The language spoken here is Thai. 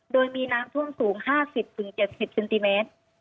โดยมีน้ำท่วมสูง๕๐๗๐เซนติเมตร